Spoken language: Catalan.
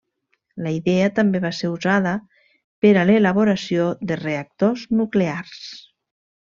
La idea també va ser usada per a l'elaboració de reactors nuclears.